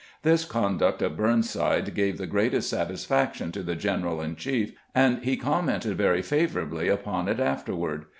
This conduct of Burnside gave the greatest satisfaction to the general in ehief , and he commented very favorably upon it afterward.